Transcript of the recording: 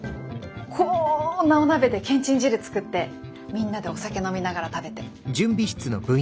こんなお鍋でけんちん汁作ってみんなでお酒飲みながら食べて。